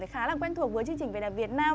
khá là quen thuộc với chương trình về đèn việt nam